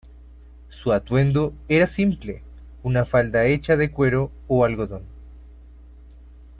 Su atuendo era simple, una falda hecha de cuero o algodón.